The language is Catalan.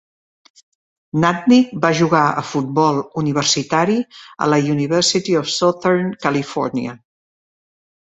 Natnik va jugar a futbol universitari a la University of Southern California.